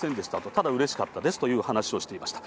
ただうれしかったですという話をしていました。